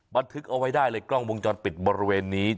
บันทึกเอาไว้ได้เลยกล้องวงจรปิดบริเวณนี้